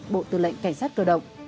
bộ tư lệnh cảnh sát cơ động